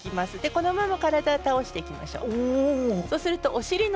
このまま体を倒していきましょう。